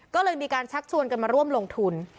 ก็เลยมีการชักชวนกันมาร่วมลงทุน